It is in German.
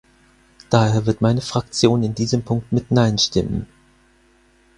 Daher wird meine Fraktion in diesem Punkt mit Nein stimmen.